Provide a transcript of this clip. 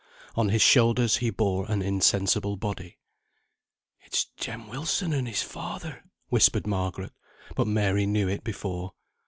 On his shoulders he bore an insensible body. "It's Jem Wilson and his father," whispered Margaret; but Mary knew it before.